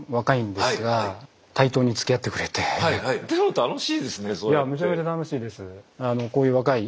でも楽しいですね